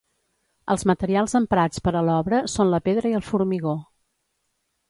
Els materials emprats per a l'obra són la pedra i el formigó.